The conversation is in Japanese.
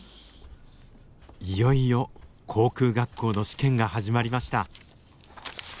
いよいよ航空学校の試験が始まりました。